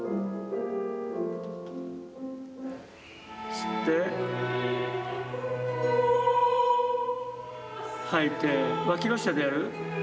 吸って吐いてわきの下でやる。